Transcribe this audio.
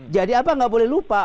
jadi apa nggak boleh lupa